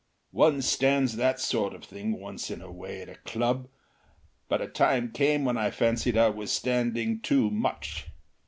One stands that sort of thing once in a way at a club, but a time came when I fancied I was standing too much.